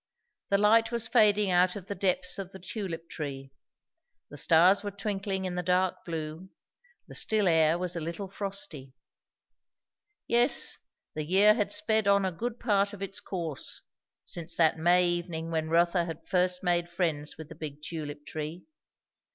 The light was fading out of the depths of the tulip tree; the stars were twinkling in the dark blue; the still air was a little frosty. Yes, the year had sped on a good part of its course, since that May evening when Rotha had first made friends with the big tulip tree.